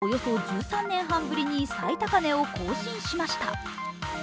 その価格がおよそ１３年半ぶりに最高値を更新しました。